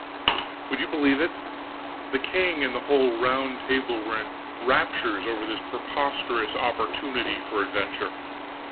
Would you believe it? The king and the whole Round Table were in raptures over this preposterous opportunity for adventure.